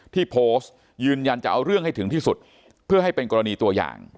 ที่โพสต์ยืนยันจะเอาเรื่องให้ถึงที่สุดเพื่อให้เป็นกรณีตัวอย่าง